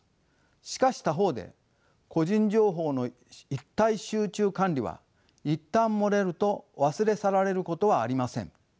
しかし他方で個人情報の一体集中管理は一旦漏れると忘れ去られることはありません。